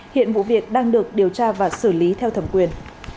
hiện vụ việc đang được điều tra và xử lý theo thẩm quyền